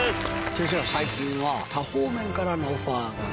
先生は最近は多方面からのオファーがあって。